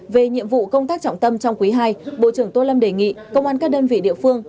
về nhiệm vụ công tác trọng tâm trong quý ii bộ trưởng tô lâm đề nghị công an các đơn vị địa phương